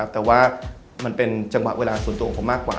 แต่ว่ามันเป็นจังหวะเวลาส่วนตัวผมมากกว่า